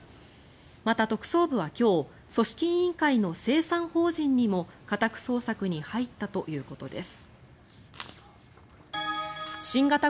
また、特捜部は今日組織委員会の清算法人にも家宅捜索に入ったということです。